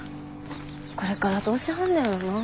これからどうしはんねやろな。